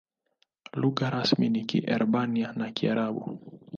Lugha rasmi ni Kiebrania na Kiarabu.